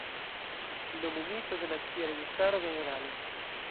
Nomumita de Nacia Registaro generalo.